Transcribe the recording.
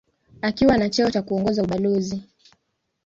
Akiwa na cheo cha kuongoza ubalozi.